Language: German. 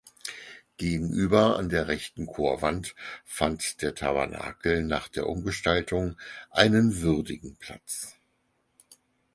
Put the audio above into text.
Gegenüber an der rechten Chorwand fand der Tabernakel nach der Umgestaltung einen würdigen Platz.